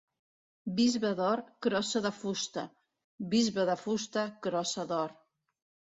Bisbe d'or, crossa de fusta; bisbe de fusta, crossa d'or.